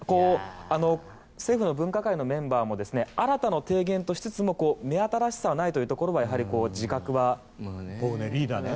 政府の分科会のメンバーも新たな提言としつつも目新しさはないというところは自覚はあるようですが。